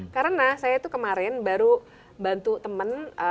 karena saya tuh kemarin baru bantu temen